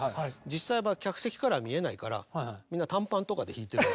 実際は客席から見えないからみんな短パンとかで弾いてる。